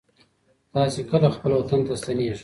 تاسې کله خپل وطن ته ستنېږئ؟